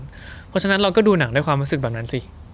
เพราะฉะนั้นเราก็ดูหนังด้วยความรู้สึกแบบนั้นสิ